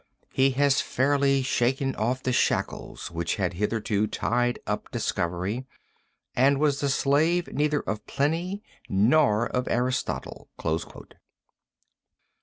He had fairly shaken off the shackles which had hitherto tied up discovery, and was the slave neither of Pliny nor of Aristotle."